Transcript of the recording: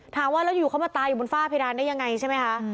ถามว่าแล้วเขามาตายอยู่บนฟ้าเพียงไหนนะครับ